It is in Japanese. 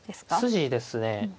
筋ですね。